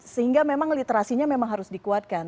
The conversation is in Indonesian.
sehingga memang literasinya memang harus dikuatkan